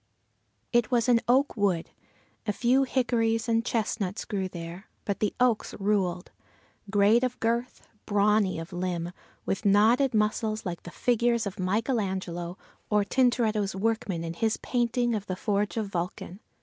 It was an oak wood. A few hickories and chestnuts grew there, but the oaks ruled; great of girth, brawny of limb, with knotted muscles like the figures of Michael Angelo or Tintoretto's workmen in his painting of the Forge of Vulcan.